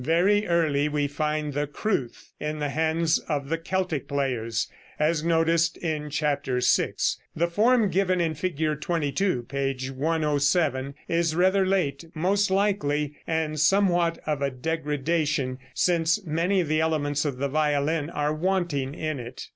Very early we find the crwth in the hands of the Celtic players, as noticed in chapter VI. The form given in Fig. 22 (p. 107) is rather late, most likely, and somewhat of a degradation, since many of the elements of the violin are wanting in it.